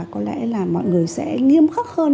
có lẽ mọi người sẽ nghiêm khắc hơn